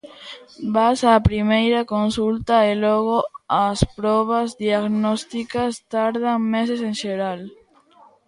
Vas á primeira consulta e logo as probas diagnósticas tardan meses en xeral.